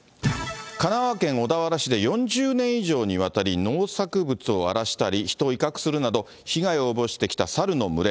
神奈川県小田原市で４０年以上にわたり農作物を荒らしたり、人を威嚇するなど、被害を及ぼしてきたサルの群れ。